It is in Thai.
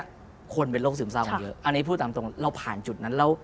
อันนี้พูดตามตรงเราผ่านจุดนั้น